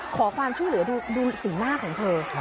ขอความช่วยเหลือดูสีหน้าของเธอ